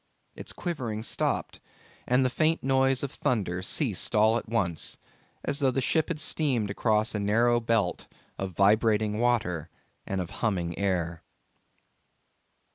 Its quivering stopped, and the faint noise of thunder ceased all at once, as though the ship had steamed across a narrow belt of vibrating water and of humming air.